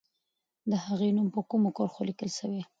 د هغې نوم په کومو کرښو لیکل سوی؟